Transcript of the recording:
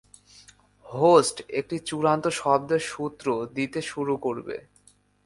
Host একটি চূড়ান্ত শব্দের সূত্র দিতে শুরু করবে।